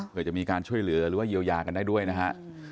เพื่อจะมีการช่วยเหลือหรือว่าเยียวยากันได้ด้วยนะฮะ